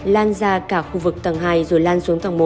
lan ra cả khu vực tầng hai rồi lan xuống tầng một